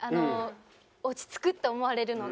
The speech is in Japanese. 落ち着くって思われるのが。